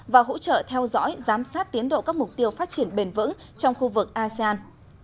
và hỗ trợ theo dõi giám sát tiến độ các mục tiêu phát triển bền vững trong khu vực asean